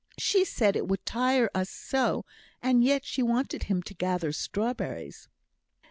"She said it would tire us so; and yet she wanted him to gather strawberries!"